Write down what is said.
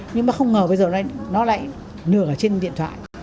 nhưng bác không ngờ bây giờ nó lại nửa ở trên điện thoại